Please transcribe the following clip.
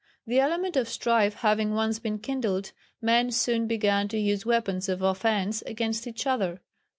The element of strife having once been kindled, men soon began to use weapons of offence against each other.